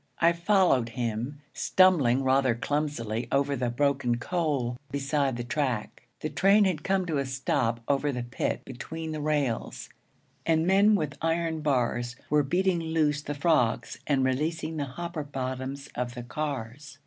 I followed him, stumbling rather clumsily over the broken coal beside the track. The train had come to a stop over the pit between the rails, and men with iron bars were beating loose the frogs and releasing the hopper bottoms of the cars.